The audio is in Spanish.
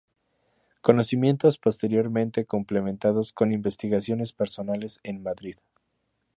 Conocimientos posteriormente complementados con investigaciones personales en Madrid.